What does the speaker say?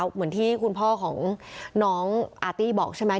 เหมือนที่คุณพ่อของน้องอาร์ตี้บอกใช่ไหม